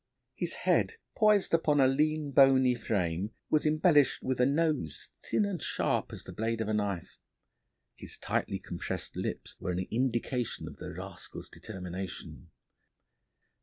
His head, poised upon a lean, bony frame, was embellished with a nose thin and sharp as the blade of a knife; his tightly compressed lips were an indication of the rascal's determination.